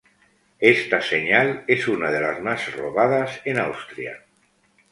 Esta señal es una de las más robadas en Austria.